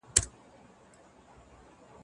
ایا ته غواړې چي په اخیرت کي د خپلو هیلو میوه وخورې؟